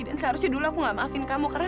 dan seharusnya dulu aku gak maafin kamu karena